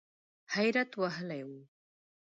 حیرت وهلی و .